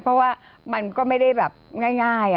เพราะว่ามันก็ไม่ได้แบบง่าย